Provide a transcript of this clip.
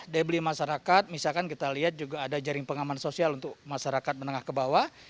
daya beli masyarakat misalkan kita lihat juga ada jaring pengaman sosial untuk masyarakat menengah ke bawah